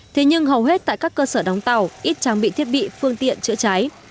thế nhưng hầu hết tại các cơ sở đóng tàu ít trang bị thiết bị phương tiện chữa cháy